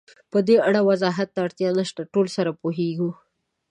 پدې اړه وضاحت ته اړتیا نشته، ټول سره پوهېږو.